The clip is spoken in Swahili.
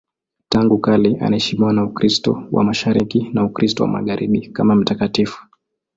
Tangu kale anaheshimiwa na Ukristo wa Mashariki na Ukristo wa Magharibi kama mtakatifu.